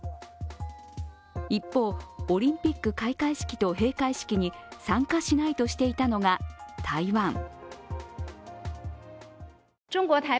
一方、オリンピック開会式と閉会式に参加しないとしていたのが台湾。